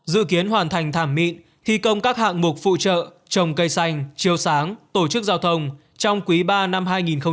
dự kiến hoàn thành thảm mịn thi công các hạng mục phụ trợ trồng cây xanh chiều sáng tổ chức giao thông trong quý ba năm hai nghìn hai mươi